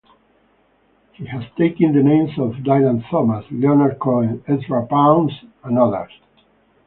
He has taken the names of Dylan Thomas, Leonard Cohen, Ezra Pound and others.